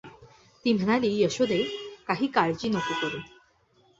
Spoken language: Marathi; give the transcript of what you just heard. ती म्हणाली, "यशोदे, काही काळजी नको करू.